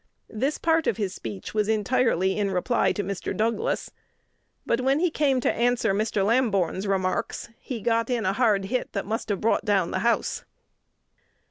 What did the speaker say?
This part of his speech was entirely in reply to Mr. Douglas. But, when he came to answer Mr. Lamborn's remarks, he "got in a hard hit" that must have brought down the house.